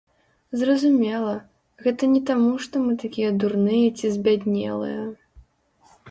Зразумела, гэта не таму што мы такія дурныя ці збяднелыя!